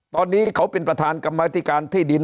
ตอนนี้เขาเป็นประธานกรรมธิการที่ดิน